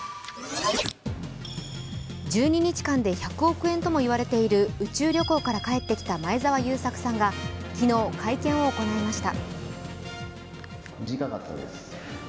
１２日間で１００億円とも言われている宇宙旅行から帰ってきた前澤友作さんが昨日、会見を行いました。